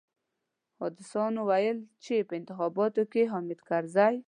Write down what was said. حاسدانو ويل چې په انتخاباتو کې حامد کرزي.